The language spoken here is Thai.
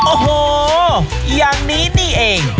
โอ้โหอย่างนี้นี่เอง